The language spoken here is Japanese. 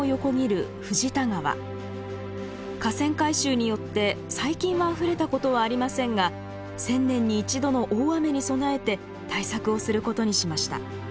河川改修によって最近はあふれたことはありませんが１０００年に１度の大雨に備えて対策をすることにしました。